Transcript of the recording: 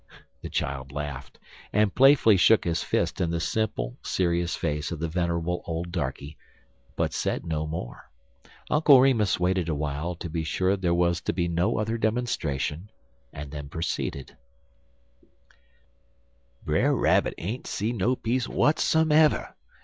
The child laughed, and playfully shook his fist in the simple, serious face of the venerable old darkey, but said no more. Uncle Remus waited awhile to be sure there was to be no other demonstration, and then proceeded: "Brer Rabbit ain't see no peace w'atsumever.